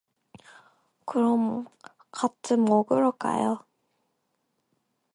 그럼, 같이 먹으러 가요.